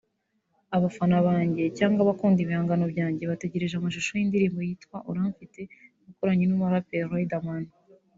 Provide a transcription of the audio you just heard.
“Abafana banjye cyangwa abakunda ibihangano byanjye bategereze amashusho y’indirimbo yitwa Uramfite nakoranye n’umuraperi Riderman